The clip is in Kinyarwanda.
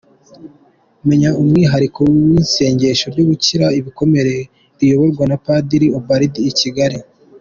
Menya umwihariko w’ isengesho ryo gukira ibikomere rizayoborwa na Padiri Ubald i Kigali.